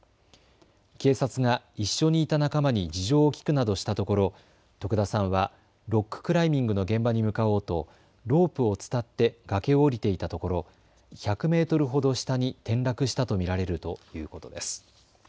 警察が一緒にいた仲間に事情を聴くなどしたところ徳田さんはロッククライミングの現場に向かおうとロープを伝って崖を降りていたところ１００メートルほど下に転落したと見られるということです。